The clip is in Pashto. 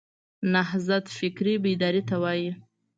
نهضت فکري بیداري ته وایي.